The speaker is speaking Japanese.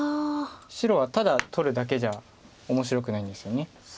白はただ取るだけじゃ面白くないんですよね。